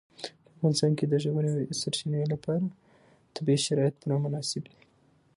په افغانستان کې د ژورې سرچینې لپاره طبیعي شرایط پوره مناسب دي.